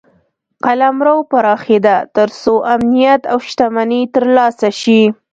قلمرو پراخېده تر څو امنیت او شتمني ترلاسه شي.